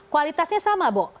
kualitasnya sama boh